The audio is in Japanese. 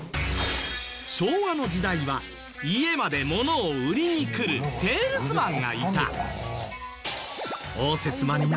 昭和の時代は家まで物を売りに来るセールスマンがいた。